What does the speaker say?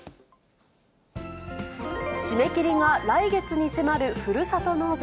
締め切りが来月に迫るふるさと納税。